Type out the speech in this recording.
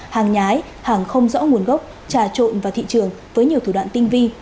hàng nhái hàng không rõ nguồn gốc trà trộn vào thị trường với nhiều thủ đoạn tinh vi